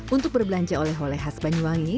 untuk berbelanja oleh oleh khas banyuwangi